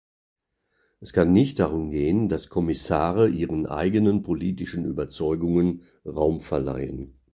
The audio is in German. Es kann nicht darum gehen, dass Kommissare ihren eigenen politischen Überzeugungen Raum verleihen.